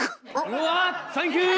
うわっサンキュー！